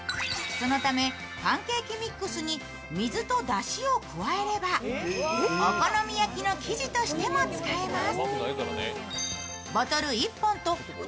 そのため、パンケーキミックスに水とだしを加えればお好み焼きの生地としても使えます。